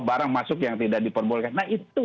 barang masuk yang tidak diperbolehkan nah itu